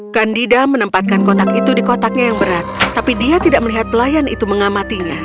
candida menempatkan kotak itu di kotaknya yang berat tapi dia tidak melihat pelayan itu mengamatinya